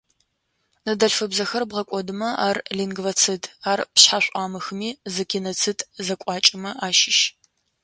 Ныдэлъфыбзэхэр бгъэкӀодымэ, ар-лингвоцид, ар пшъхьа шӏуамыхми, зы геноцид зекӏуакӏэмэ ащыщ.